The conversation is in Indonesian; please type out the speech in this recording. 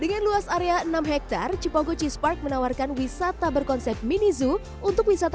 dengan luas area enam hektare cipogo cheese park menawarkan wisata berkonsep mini zoo untuk wisata